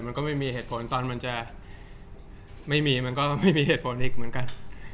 มันก็ไม่มีเหตุผลตอนมันจะไม่มีมันก็ไม่มีเหตุผลอีกเหมือนกัน